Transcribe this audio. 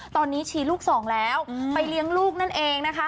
ตอนนี้ชีลูกสองแล้วไปเลี้ยงลูกนั่นเองนะคะ